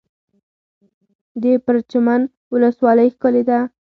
د پرچمن ولسوالۍ ښکلې ده